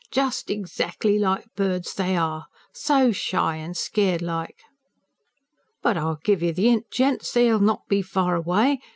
Jus' exackly like birds they are so shy an' scared like. But I'll give you the 'int, gents. They'll not be far away.